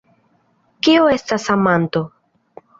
Kio estas amanto?